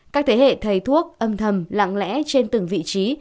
các thế hệ thầy thuốc âm thầm lặng lẽ trên từng vị trí